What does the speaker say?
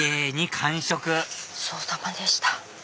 ごちそうさまでした。